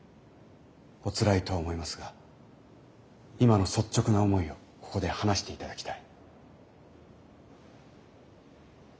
おつらいとは思いますが今の率直な思いをここで話していただきたい。